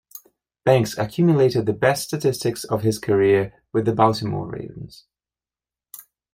Banks accumulated the best statistics of his career with the Baltimore Ravens.